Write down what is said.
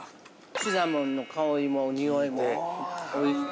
◆シナモンの香りも匂いもおいしい。